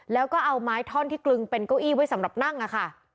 แล้วก็เอาไม้ท่อนที่กลึงเป็นเก้าอี้ไว้สำหรับนั่งอะค่ะ